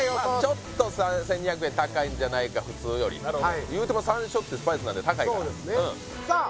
ちょっと１２００円高いんじゃないか普通よりいうても山椒ってスパイスなんで高いからうんさあ